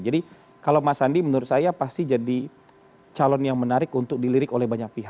jadi kalau mas sandi menurut saya pasti jadi calon yang menarik untuk dilirik oleh pemerintah